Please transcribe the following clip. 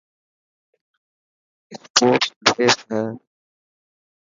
اسپورٽس ڊريسن هي.